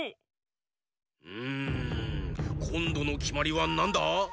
うんこんどのきまりはなんだ？